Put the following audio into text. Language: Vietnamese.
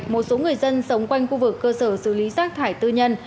một số người dân sống quanh khu vực cơ sở xử lý rác thải tư nhân